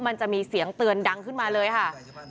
มันจะมีเสียงเตือนดังขึ้นมาเลยค่ะ